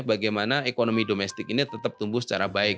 bagaimana ekonomi domestik ini tetap tumbuh secara baik